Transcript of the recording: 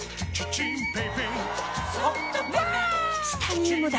チタニウムだ！